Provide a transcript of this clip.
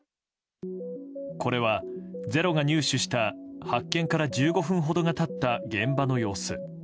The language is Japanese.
これは「ｚｅｒｏ」が入手した発見から１５分ほどが経った現場の様子。